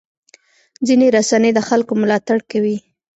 ځینې رسنۍ د خلکو ملاتړ کوي.